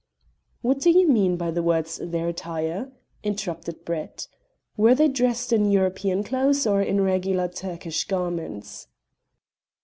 "What do you mean by the words 'their attire'?" interrupted Brett. "Were they dressed in European clothes or in regular Turkish garments?"